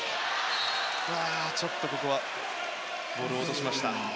ここはボールを落としました。